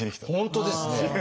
本当ですね。